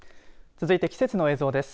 続いて、季節の映像です。